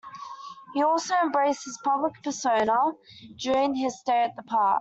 He also embraced his public persona during his stay at the park.